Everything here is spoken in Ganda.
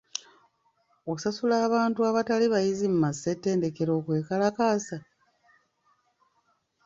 Osasula abantu abatali bayizi mu massetendekero okwekalakaasa?